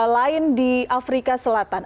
lain di afrika selatan